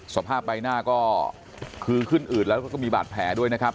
สภาพใบหน้าก็คือขึ้นอืดแล้วก็มีบาดแผลด้วยนะครับ